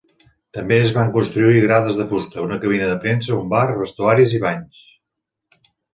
També es van construir grades de fusta, una cabina de premsa, un bar, vestuaris i banys.